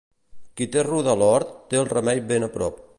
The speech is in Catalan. Qui té ruda a l'hort, té el remei ben a prop.